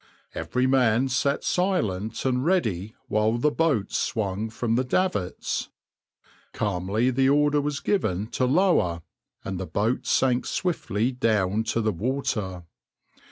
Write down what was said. Every man sat silent and ready while the boat swung from the davits. Calmly the order was given to lower, and the boat sank swiftly down to the water.